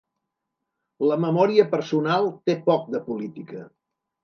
La memòria personal té poc de política.